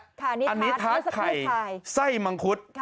อันนี้ทาร์ทไข่ไส้มังคุต